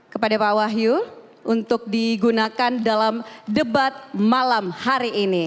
kepada pak wahyu untuk digunakan dalam debat malam hari ini